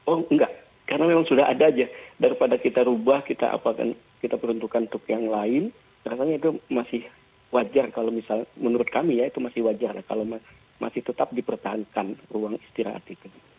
oh enggak karena memang sudah ada aja daripada kita rubah kita apakan kita peruntukkan untuk yang lain rasanya itu masih wajar kalau misalnya menurut kami ya itu masih wajar kalau masih tetap dipertahankan ruang istirahat itu